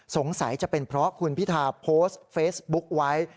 สงสัยจะเป็นเพราะคุณพิธาโพสต์เฟซบุ๊กไว้